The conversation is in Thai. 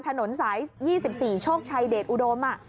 ถนนสาย๒๔โชคชัยเดชอุดม